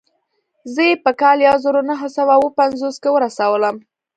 زه يې په کال يو زر و نهه سوه اووه پنځوس کې ورسولم.